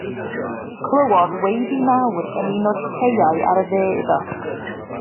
Clywodd weiddi mawr yn un o'r caeau ar y dde iddo.